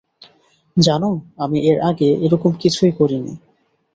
জানো, আমি এর আগে এরকম কিছুই করিনি।